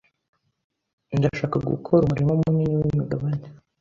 Ndashaka gukora umurima munini wimigabane.